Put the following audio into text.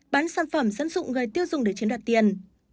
bán sản phẩm dân dụng người tiêu dùng để chiến đoạt tiền